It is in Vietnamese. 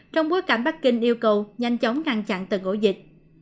trong bối cảnh bắc kinh yêu cầu nhanh chóng ngăn chặn từng ổ dịch